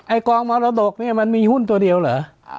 กองมรดกเนี่ยมันมีหุ้นตัวเดียวเหรอ